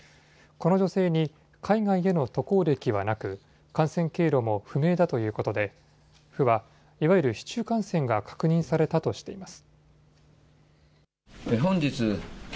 この女性に海外への渡航歴はなく感染経路も不明だということで府はいわゆる市中感染が確認されたとしています。